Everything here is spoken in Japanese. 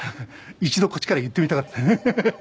一度こっちから言ってみたかったははははっ